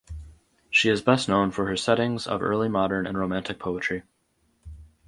She is best known for her settings of Early Modern and Romantic poetry.